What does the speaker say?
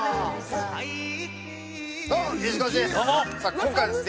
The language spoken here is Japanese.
今回はですね